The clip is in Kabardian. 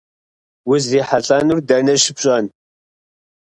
УзрихьэлӀэнур дэнэ щыпщӀэн?